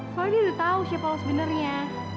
soalnya dia udah tau siapa lo sebenernya